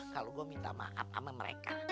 kalau gue minta maaf sama mereka